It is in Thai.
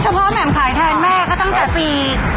เฉพาะแหม่มขายแทนแม่ก็ตั้งแต่ปี๒๐๐๓อ่ะ